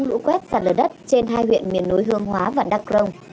lũ quét sạt lở đất trên hai huyện miền núi hương hóa và đắk rồng